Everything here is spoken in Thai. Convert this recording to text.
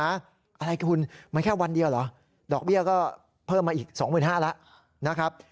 อะไรคุณมันแค่วันเดียวเหรอดอกเบี้ยก็เพิ่มมาอีก๒๕๐๐แล้วนะครับ